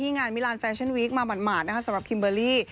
งานมิลานแฟชั่นวีคมาหมาดนะคะสำหรับคิมเบอร์รี่